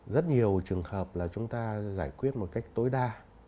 rất nhiều trường hợp là chúng ta giải quyết một cách tối đa